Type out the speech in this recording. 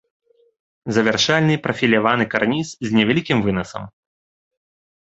Завяршальны прафіляваны карніз з невялікім вынасам.